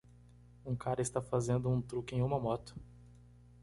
Um cara está fazendo um truque em uma moto.